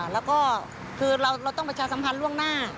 แล้วก็คือเราต้องประชาสัมพันธ์ล่วงหน้า